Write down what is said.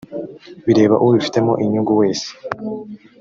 bireba ubifitemo inyungu wese